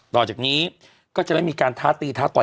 ต่อจากนี้ก็จะไม่มีการท้าตีท้าต่อย